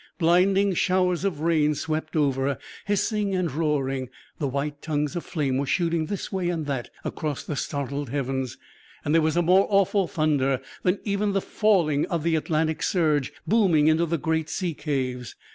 Blinding showers of rain swept over, hissing and roaring; the white tongues of flame were shooting this way and that across the startled heavens; and there was a more awful thunder than even the falling of the Atlantic surge booming into the great sea caves.